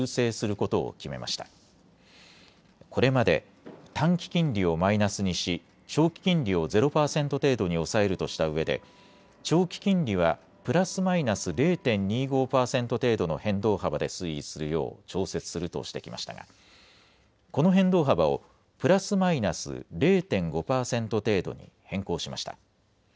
これまで短期金利をマイナスにし長期金利をゼロ％程度に抑えるとしたうえで長期金利はプラスマイナス０．２５％程度の変動幅で推移するよう調節するとしてきましたがこの変動幅をプラスマイナス０．５％程度に変更しました。